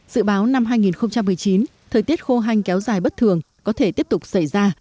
dự báo năm hai nghìn một mươi chín thời tiết khô hanh kéo dài bất thường có thể tiếp tục xảy ra